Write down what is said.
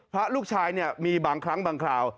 พระลูกชายเนี่ยมีบางครั้งบางคราว